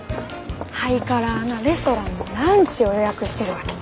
ハイカラーなレストランのランチを予約してるわけ。